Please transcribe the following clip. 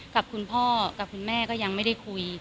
กับคุณพ่อกับคุณแม่ก็ยังไม่ได้คุย